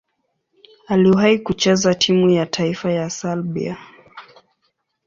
Aliwahi kucheza timu ya taifa ya Serbia.